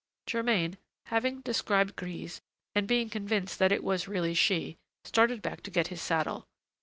Germain, having described Grise and being convinced that it was really she, started back to get his saddle.